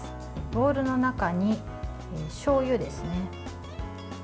ボウルの中にしょうゆですね。